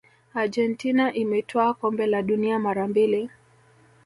argentina imetwaa kombe la dunia mara mbili